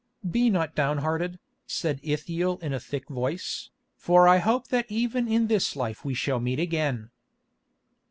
"Be not downhearted," said Ithiel in a thick voice, "for I hope that even in this life we shall meet again."